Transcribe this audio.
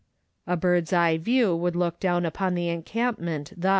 A bird's eye view would look down upon the encampment thus 1.